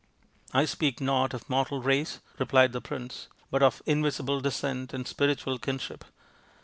" I speak not of mortal race," replied the prince, " but of invisible descent and spiritual kinship.